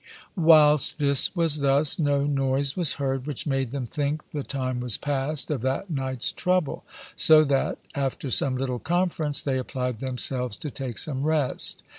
Whilst this was thus, no noise was heard, which made them think the time was past of that night's trouble, so that, after some little conference, they applied themselves to take some rest.